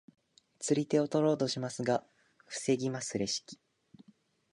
釣り手を取ろうとしますが防ぎますレシキ。